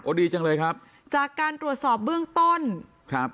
ดีจังเลยครับจากการตรวจสอบเบื้องต้นครับ